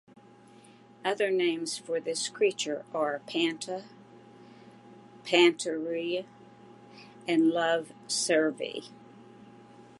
Other names for this creature are pantera, pantere, and love cervere.